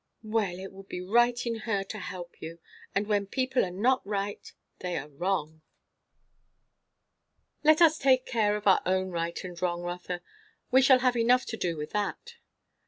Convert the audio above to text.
"Well, it would be right in her to help you. And when people are not right, they are wrong." "Let us take care of our own right and wrong, Rotha. We shall have enough to do with that."